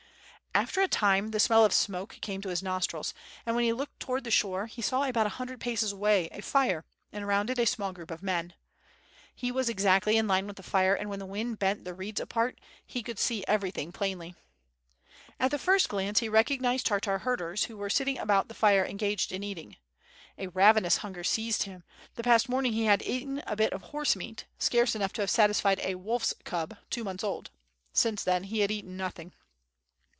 After a time the smell of smoke came to his nostrils, and when he looked towards the shore, he saw about a hundred paces away, a fire, and around it a small group of men. He was exactly in line with the fire, and when the wind bent the reeds apart he could see everything plainly. At the first glance he recognized Tartar herders, who were sitting about the fire engaged in eating. A ravenous hunger seized him, the past morning he had eaten a bite of horse meat, scarce enough to have satisfied a wolfs cub, two months old; since then he had eaten nothing.